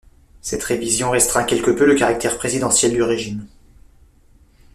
Cette révision restreint quelque peu le caractère présidentiel du régime.